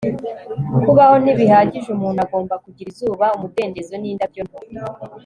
kubaho ntibihagije umuntu agomba kugira izuba, umudendezo, n'indabyo nto